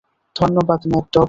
ধন্যবাদ, mad dog!